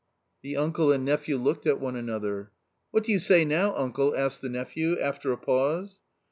The uncle and nephew looked at one another. "What do you say now, uncle? " asked the nephew, after a pause.